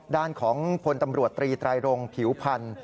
ด้านของพลตำรวจตรีไตรรงผิวพันธ์